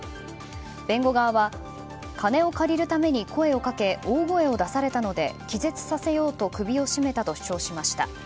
弁護側は金を借りるために声をかけ大声を出されたので気絶させようと首を絞めたと主張しました。